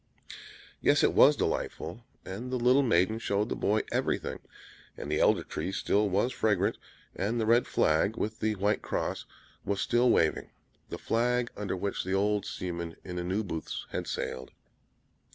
Yes, it was delightful; and the little maiden showed the boy everything; and the Elder Tree still was fragrant, and the red flag, with the white cross, was still waving: the flag under which the old seaman in the New Booths had sailed.